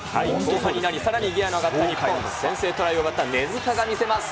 後半になりさらにギアの上がった日本、先制トライを奪った根塚が見せます。